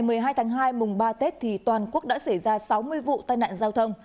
còn trong ngày một mươi hai tháng hai mùng ba tết thì toàn quốc đã xảy ra sáu mươi vụ tai nạn giao thông